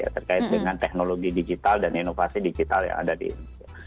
terkait dengan teknologi digital dan inovasi digital yang ada di indonesia